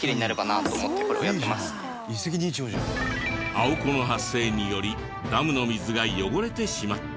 アオコの発生によりダムの水が汚れてしまった。